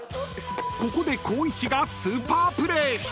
［ここで光一がスーパープレー］